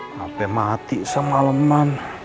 sampai mati semaleman